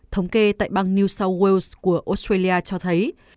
thống kê tại bang new south wales của australia cho thấy